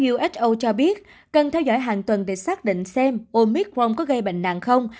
who cho biết cần theo dõi hàng tuần để xác định xem omicron có gây bệnh nặng không